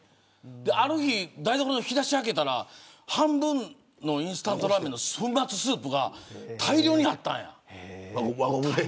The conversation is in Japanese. ある日台所の引き出しを開けたら半分のインスタントラーメンの粉末スープが大量にあったんや。